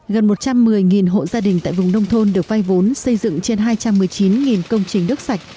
gần một trăm một mươi hộ gia đình tại vùng nông thôn được vay vốn xây dựng trên hai trăm một mươi chín công trình đất sạch